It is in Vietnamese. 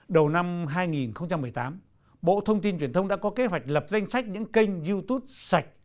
đầu năm hai nghìn một mươi tám bộ thông tin truyền thông đã có kế hoạch lập danh sách những kênh youtube sạch